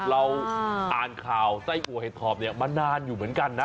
เราอ่านข่าวไส้อัวเห็ดถอบเนี่ยมานานอยู่เหมือนกันนะ